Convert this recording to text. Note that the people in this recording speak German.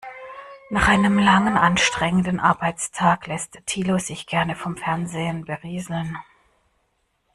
Nach einem langen, anstrengenden Arbeitstag lässt Thilo sich gerne vom Fernsehen berieseln.